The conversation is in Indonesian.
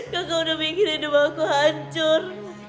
kakak udah bikin hidup aku hancur